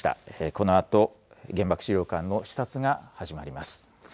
このあと、原爆資料館の視察が始まります。